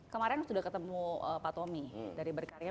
kemarin sudah ketemu pak tommy dari berkarya